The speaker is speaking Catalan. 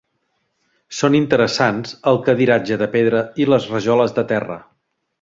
Són interessants el cadiratge de pedra i les rajoles de terra.